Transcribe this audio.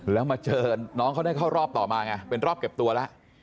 แล้วมาเจอน้องเขาได้เข้ารอบต่อมาไงเป็นรอบเก็บตัวแล้ว